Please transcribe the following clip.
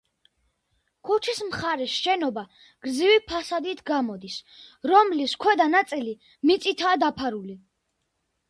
ქუჩის მხარეს შენობა გრძივი ფასადით გამოდის, რომლის ქვედა ნაწილი მიწითაა დაფარული.